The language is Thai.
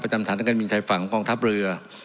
จำฐานการบินชายฝั่งกองทัพเรือ